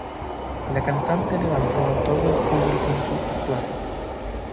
La cantante levantó a todo el público en su actuación.